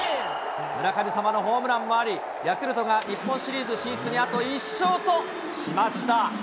村神様のホームランもあり、ヤクルトが日本シリーズ進出にあと１勝としました。